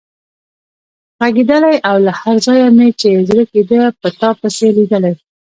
غږېدلای او له هر ځایه مې چې زړه کېده په تا پسې لیدلی.